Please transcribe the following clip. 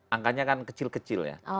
angkanya kan kecil kecil ya